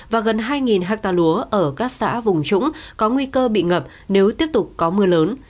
và gần hai hectare lúa ở các xã vùng trũng có nguy cơ bị ngập nếu tiếp tục có mưa lớn